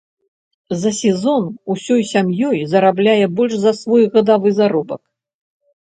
За сезон усёй сям'ёй зарабляе больш за свой гадавы заробак.